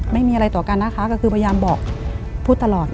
ไม่มีอะไรต่อกันนะคะก็คือพยายามบอกพูดตลอด